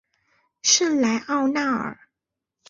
圣莱奥纳尔。